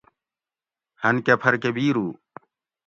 ہنکہ پھرکہ بِیرو